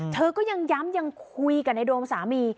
เธอก็ยังย้ำยังคุยกับในโดมสามี